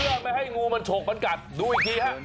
เพื่อไม่ให้งูมันฉกมันกัดดูอีกทีฮะ